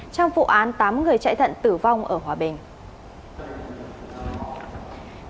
trong vụ án tám người chạy thận tử vong ở hòa bình